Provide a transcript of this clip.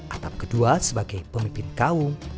atap kedua sebagai pemimpin kaum